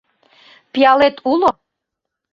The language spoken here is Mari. Пиалет уло...